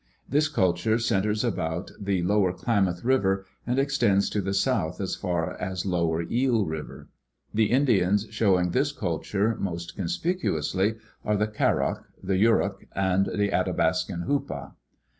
This culture centers about the lower Klamath river and extends to the south as far as lower Eel river. The Indians showing this culture most conspicuously are the Karok, the Yurok, and the Athabascan Hupa.